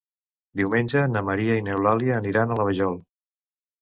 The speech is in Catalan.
Diumenge na Maria i n'Eulàlia aniran a la Vajol.